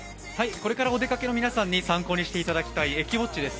これからお出かけの皆さんに参考にしていただきたい、駅ウオッチです。